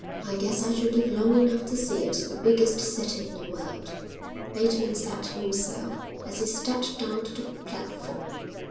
"I guess I shall live long enough to see it the biggest city in the world," Bateman said to himself as he stepped down to the platform.